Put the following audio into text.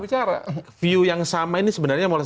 view yang sama ini sebenarnya mau lesen